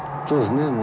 そうですね。